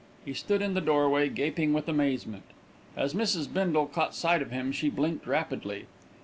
He stood in the doorway, gaping with amazement. As Mrs. Bindle caught sight of him, she blinked rapidly.